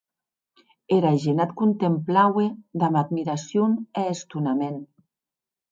Era gent ac contemplaue damb admiracion e estonament.